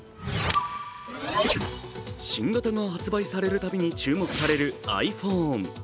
新型が発売されるたびに注目されるｉＰｈｏｎｅ。